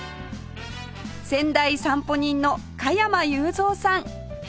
先代散歩人の加山雄三さん